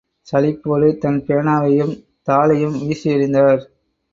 சலிப்போடு தன் பேனாவையும் தாளையும் வீசி எறிந்தார்.